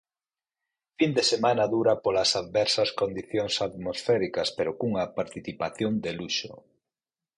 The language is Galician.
Fin de semana dura polas adversas condicións atmosféricas, pero cunha participación de luxo.